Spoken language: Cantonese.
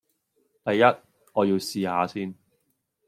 第一，我要試吓先